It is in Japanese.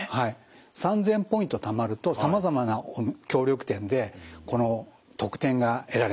３，０００ポイントたまるとさまざまな協力店でこの特典が得られます。